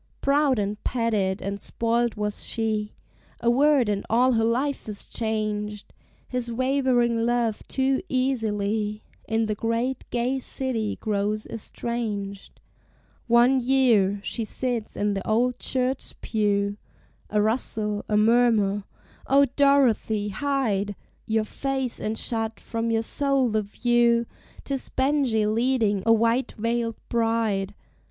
Proud and petted and spoiled was she: A word, and all her life is changed! His wavering love too easily In the great, gay city grows estranged: One year: she sits in the old church pew; A rustle, a murmur, O Dorothy! hide Your face and shut from your soul the view 'Tis Benjie leading a white veiled bride!